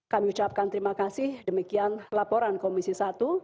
kami ucapkan terima kasih demikian laporan komisi satu